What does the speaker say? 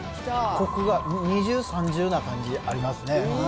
こくが二重、三重な感じありますね。